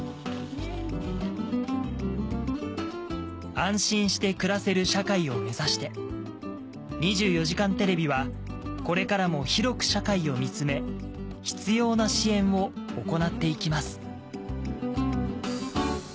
安心して暮らせる社会を目指して『２４時間テレビ』はこれからも広く社会を見つめ必要な支援を行っていきます